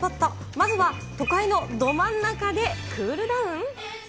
まずは都会のど真ん中でクールダウン？